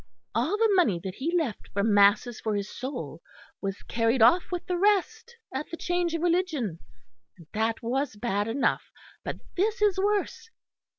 All the money that he left for masses for his soul was carried off with the rest at the change of religion; and that was bad enough, but this is worse.